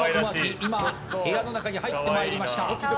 今、部屋の中に入ってまいりました。